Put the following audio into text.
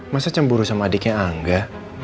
masa cemburu sama adiknya angga